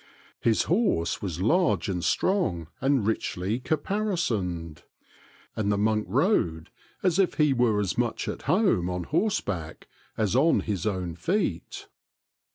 His horse was large and strong and richly caparisoned, and the monk rode as if he were as much at home on horseback as on his own feet.